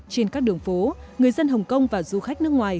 trên các đường phố người dân hồng kông và du khách nước ngoài